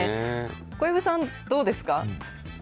小籔さん、どうですか？